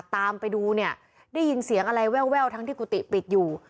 ตามไปดูเนี่ยได้ยินเสียงอะไรแววทั้งที่กุฏิปิดอยู่